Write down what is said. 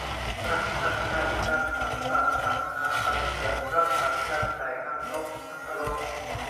อัน อรร กัน กรร สัน สรร สรรหา สรรเสริญ คัดสรร กรรแสง อรรณพ อรรถรส